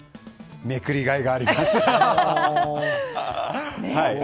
めくりがいがあります。